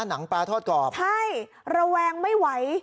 หนังปลาทอดกรอบใช่ระแวงไม่ไหว